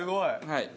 はい。